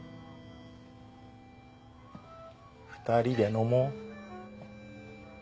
２人で飲もう。